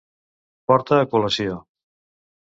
Portar a col·lació.